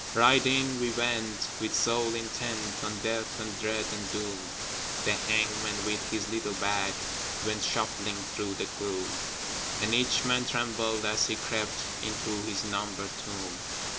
Right in we went, with soul intent On Death and Dread and Doom: The hangman, with his little bag, Went shuffling through the gloom And each man trembled as he crept Into his numbered tomb.